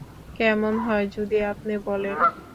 কেমন হয় যদি আপনি বলেন?